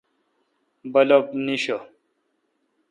بلب نیݭہ